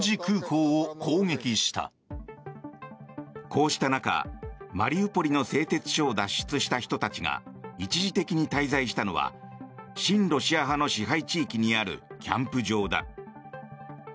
こうした中、マリウポリの製鉄所を脱出した人たちが一時的に滞在したのは親ロシア派の支配地域にあるキャンプ場だ。